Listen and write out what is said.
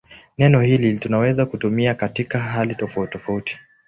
Neno hili tunaweza kutumia katika hali tofautitofauti.